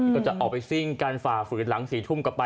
ก็จะออกไปซิ่งการฝ่าฝืนหลัง๔ทุ่มกลับไป